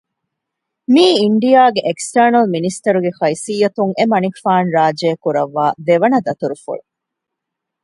މިއީ އިންޑިއާގެ އެކްސްޓަރނަލް މިނިސްޓަރުގެ ހައިސިއްޔަތުން އެމަނިކުފާނު ރާއްޖެއަށް ކުރައްވާ ދެވަނަ ދަތުރުފުޅު